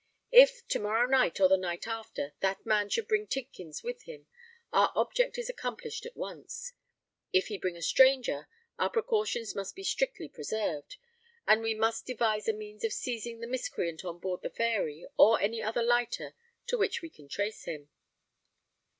If, to morrow night or the night after, that man should bring Tidkins with him, our object is accomplished at once: if he bring a stranger, our precautions must be strictly preserved, and we must devise a means of seizing the miscreant on board the Fairy or any other lighter to which we can trace him."